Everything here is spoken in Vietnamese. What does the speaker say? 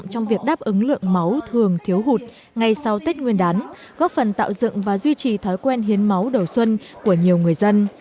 giúp ứng lượng máu thường thiếu hụt ngay sau tết nguyên đán góp phần tạo dựng và duy trì thói quen hiến máu đầu xuân của nhiều người dân